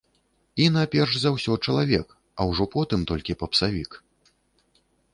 Іна перш за ўсё чалавек, а ўжо потым толькі папсавік.